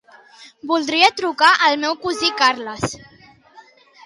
Voldria trucar al meu cosí Carles.